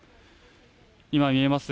今見えます